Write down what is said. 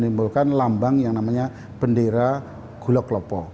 itu menimbulkan lambang yang namanya bendera gulok glopo